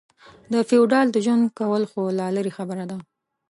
د فېوډال د ژوند کول خو لا لرې خبره ده.